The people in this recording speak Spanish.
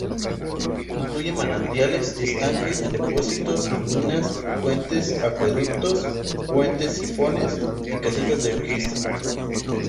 Incluye manantiales, estanques, depósitos, minas, puentes-acueductos, puentes-sifones y casetas de registro.